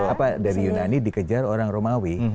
apa dari yunani dikejar orang romawi